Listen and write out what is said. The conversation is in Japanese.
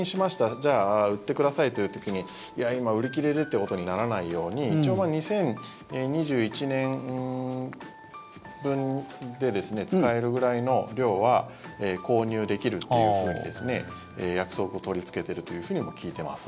じゃあ売ってくださいという時にいや、今、売り切れでってことにならないように一応、２０２１年分で使えるぐらいの量は購入できるっていうふうに約束を取りつけているというふうにも聞いています。